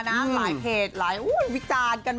หลายเพจหลายวิจารณ์กัน